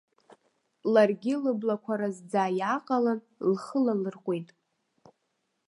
Ларгьы лыблақәа разӡа иааҟалан, лхы лалырҟәит.